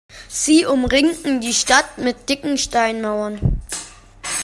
Sie umringten die Stadt mit dicken Steinmauern.